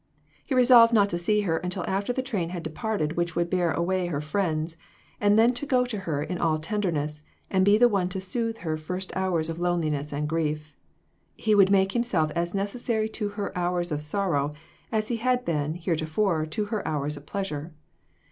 He resolved not to see her until after the train had departed which would bear away her friends, and then to go to her in all tenderness, and be the one to soothe her first hours of loneliness and grief. He would make himself as necessary to her hours of sorrow as he had been heretofore to her hours of pleasure.